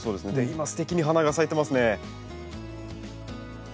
今すてきに花が咲いてますね。